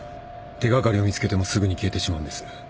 手掛かりを見つけてもすぐに消えてしまうんです。